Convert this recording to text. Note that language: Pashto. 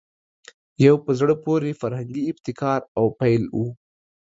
یو په زړه پورې فرهنګي ابتکار او پیل وو